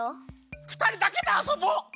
ふたりだけであそぼう！